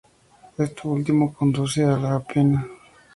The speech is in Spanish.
Esto último conduce a la apnea.